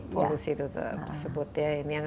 polusi tersebut ini yang